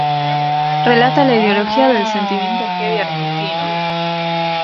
Relata la ideología del "sentimiento heavy" argentino.